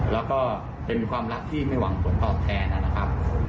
แล้วก็เป็นความรักที่ไม่หวังผลตอบแทนนะครับ